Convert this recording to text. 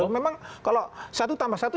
memang kalau satu tambah satu